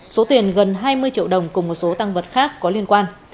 số tiền gần hai mươi triệu đồng cùng một số tăng vật khác có liên quan